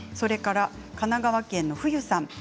神奈川県の方からです。